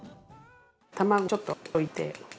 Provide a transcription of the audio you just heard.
卵をちょっと溶いて。